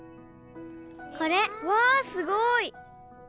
これ。わすごい。